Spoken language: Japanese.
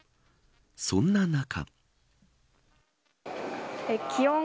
そんな中。